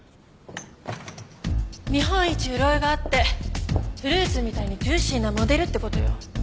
日本一潤いがあってフルーツみたいにジューシーなモデルって事よ。